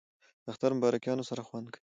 د اختر مبارکیانو سره خوند کوي